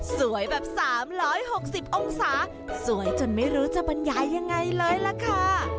สวยแบบสามร้อยหกสิบองศาสวยจนไม่รู้จะบรรยายังไงเลยล่ะค่ะ